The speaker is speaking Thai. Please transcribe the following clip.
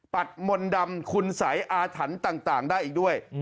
มนต์ดำคุณสัยอาถรรพ์ต่างได้อีกด้วย